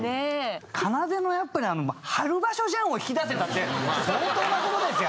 かなでの「春場所じゃん」を引き出せたって相当なことですよ。